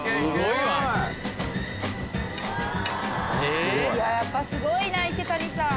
いややっぱすごいな池谷さん。